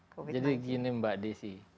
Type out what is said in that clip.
covid sembilan belas jadi gini mbak desi